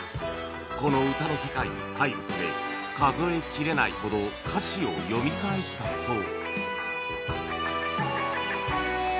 この歌の世界に入るため数え切れないほど歌詞を読み返したそう